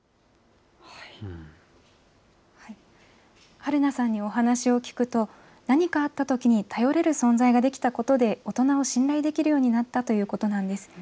はるなさんにお話を聞くと、何かあったときに頼れる存在ができたことで、大人を信頼できるようになったということなんです。